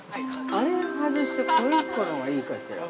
あれ外して、これ１個のほうがいいかしら。